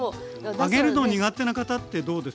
揚げるの苦手な方ってどうです？